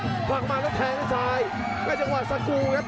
พักเข้ามาแล้วแทงสายในจังหวัดสกูลครับ